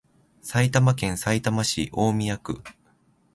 埼玉県さいたま市大宮区